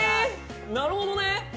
なるほどね！